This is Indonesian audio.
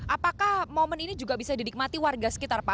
apakah momen ini juga bisa didikmati warga sekitar pak